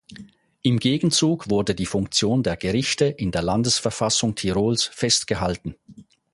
Im Gegenzug wurde die Funktion der Gerichte in der Landesverfassung Tirols festgehalten.